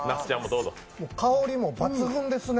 香りも抜群ですね